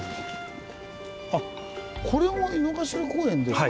あっこれも井の頭公園ですか。